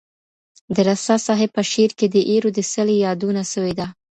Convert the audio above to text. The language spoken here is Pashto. د رسا صاحب په شعر کي د ایرو د څلي یادونه سوې ده.